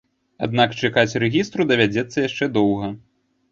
Аднак чакаць рэгістру давядзецца яшчэ доўга.